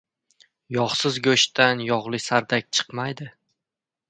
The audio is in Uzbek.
• Yog‘siz go‘shtdan yog‘li sardak chiqmaydi.